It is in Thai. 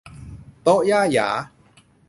โต๊ะย่าหยา